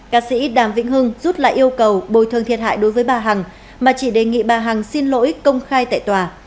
cá sĩ đàm vĩnh hưng rút lại yêu cầu bồi thương thiệt hại đối với bà hằng mà chỉ đề nghị bà hằng xin lỗi công khai tại tòa